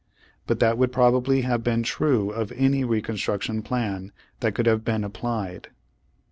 But that would probably have been true of any Reconstruction plan that could have been applied.